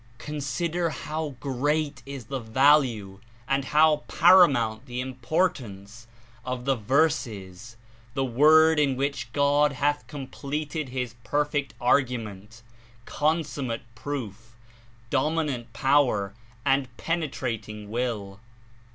"Consider how great is the value and how para mount the importance of the Verses (The Word) in 78 which God hath completed His perfect argument, con summate proof, dominant power and penetrating will.